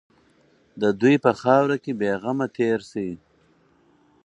دوی په خاوره کې بېغمه تېر شي.